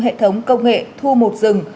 hệ thống công nghệ thu một rừng